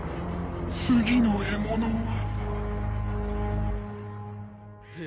次の獲物は。